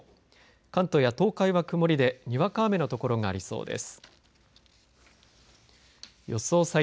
関東や東海は曇りでにわか雨の所がありそうです。